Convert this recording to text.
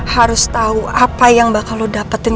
harus tahu apa yang bakal lo dapetin